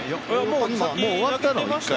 もう終わったの、一回。